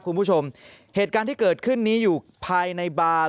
คุณผู้ชมเหตุการณ์ที่เกิดขึ้นนี้อยู่ภายในบาร์